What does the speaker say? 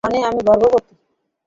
মানে আমি গর্ভবতী।